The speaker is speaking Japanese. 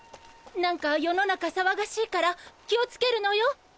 なんか世の中騒がしいから気をつけるのよ。